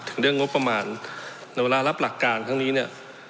เรื่องงบประมาณในเวลารับหลักการทั้งนี้เนี่ย